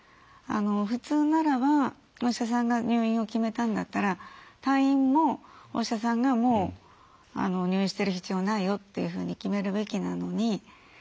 普通ならばお医者さんが入院を決めたんだったら退院も、お医者さんが入院してる必要ないよって決めるべきなのに。